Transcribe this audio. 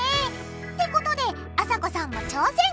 ってことであさこさんも挑戦！